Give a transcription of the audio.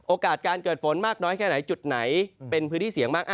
โอกาสการเกิดฝนมากน้อยแค่ไหนจุดไหนเป็นพื้นที่เสี่ยงมาก